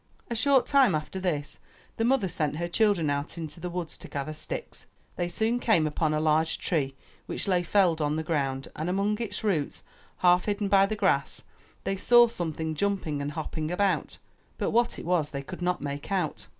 A short time after this the mother sent her children out into the woods to gather sticks. They soon came upon a large tree which lay felled on the ground, and among its roots, half hidden by the grass, they saw some thing jumping and hopping about, but what it was they could not make out.